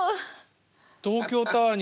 東京タワーに。